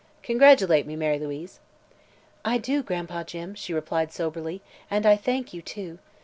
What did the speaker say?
Congratulate me, Mary Louise!" "I do, Gran'pa Jim," she replied soberly, "and I thank you, too.